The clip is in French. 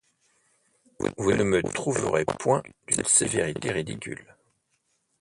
Vous ne me trouverez point d’une sévérité ridicule.